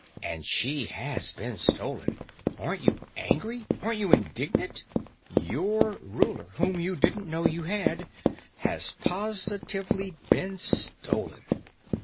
And she has been stolen. Aren't you angry? Aren't you indignant? Your Ruler, whom you didn't know you had, has positively been stolen!"